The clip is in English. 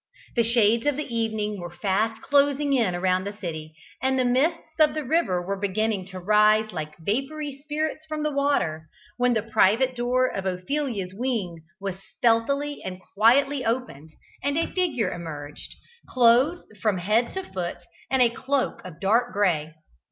The shades of evening were fast closing in around the city, and the mists of the river were beginning to rise like vapoury spirits from the water, when the private door of Ophelia's wing was stealthily and quietly opened, and a figure emerged, clothed from head to foot in a cloak of dark gray.